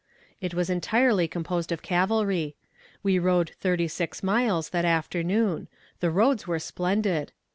It was entirely composed of cavalry. We rode thirty six miles that afternoon the roads were splendid.